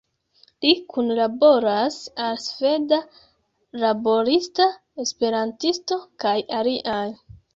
Li kunlaboras al Sveda Laborista Esperantisto kaj aliaj.